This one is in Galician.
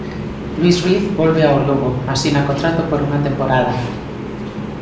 Luís Ruiz volve ao Lugo, asina contrato por unha temporada.